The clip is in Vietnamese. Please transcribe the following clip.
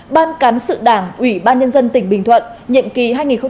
ban cán sự đảng ủy ban nhân dân tỉnh bình thuận nhiệm kỳ hai nghìn một mươi một hai nghìn một mươi năm